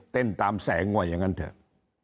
เต้นตามแสงว่าอย่างนั้นเถอะ